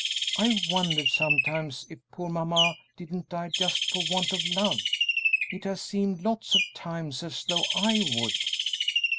I've wondered sometimes if poor mamma didn't die just for want of love; it has seemed lots of times as though I would!"